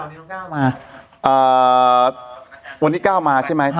นี่น้องก้าวมาอ่าวันนี้ก้าวมาใช่ไหมฮะ